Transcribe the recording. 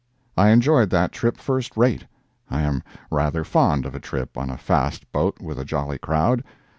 I enjoyed that trip first rate. I am rather fond of a trip on a fast boat with a jolly crowd.